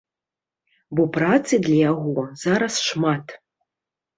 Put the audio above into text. Бо працы для яго зараз шмат.